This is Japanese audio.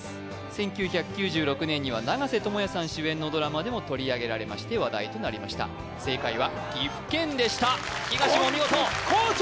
１９９６年には長瀬智也さん主演のドラマでも取り上げられまして話題となりました正解は岐阜県でした東言お見事言絶好調